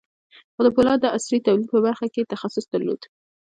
خو د پولادو د عصري تولید په برخه کې یې تخصص درلود